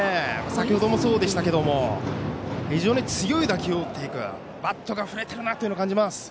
先程もそうでしたけども非常に強い打球を振っていくバットが振れているなと感じます。